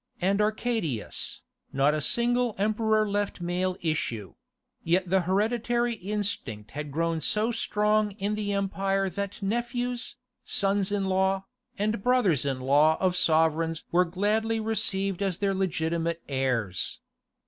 and Arcadius, not a single emperor left male issue; yet the hereditary instinct had grown so strong in the empire that nephews, sons in law, and brothers in law of sovereigns were gladly received as their legitimate heirs.